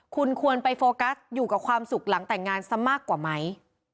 คุณควรไปโฟกัสอยู่กับความสุขหลังแต่งงานซะมากกว่าไหม